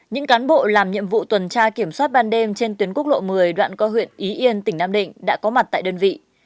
những cán bộ làm nhiệm vụ tuần tra kiểm soát ban đêm trên tuyến quốc lộ một mươi đoạn qua huyện y yên tỉnh nam định đã có mặt tại đơn vị